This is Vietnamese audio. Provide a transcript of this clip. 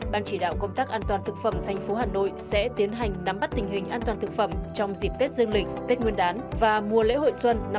ban chỉ đạo công tác an toàn thực phẩm thành phố hà nội sẽ tiến hành nắm bắt tình hình an toàn thực phẩm trong dịp tết dương lịch tết nguyên đán và mùa lễ hội xuân năm hai nghìn hai mươi